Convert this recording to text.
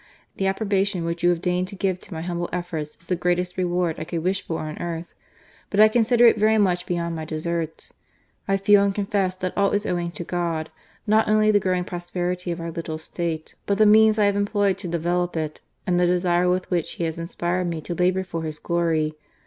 The approbation which you have deigned to give to my humble efforts is the greatest reward I could wish for on earth ; but I consider it very much beyond my deserts. I feel and confess that all is owing to God, not only the growing prosperity of our little State, but the means I have employed to develope it, and the desire with which He has inspired me to labour for His glory.